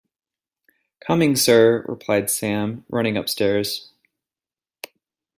‘Coming, Sir,’ replied Sam, running upstairs.